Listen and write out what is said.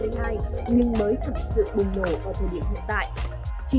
đến hai nhưng mới thật sự bùng nổ ở thời điểm hiện tại chi